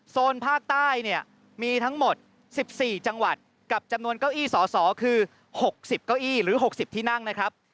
โซนภาคใต้เนี่ยมีทั้งหมด๑๔จังหวัดกับจำนวนเก้าอี้สอสอคือ๖๐เก้าอี้หรือ๖๐ที่นั่งนะครับ